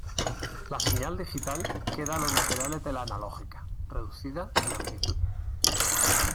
La señal digital queda a los laterales de la analógica, reducida en amplitud.